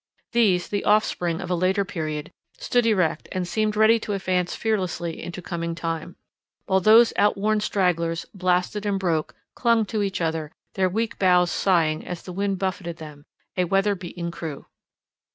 These, the offspring of a later period, stood erect and seemed ready to advance fearlessly into coming time; while those out worn stragglers, blasted and broke, clung to each other, their weak boughs sighing as the wind buffetted them—a weather beaten crew.